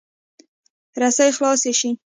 رسۍ خلاصه شي.